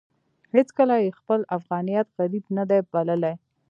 هېڅکله يې خپل افغانيت غريب نه دی بللی.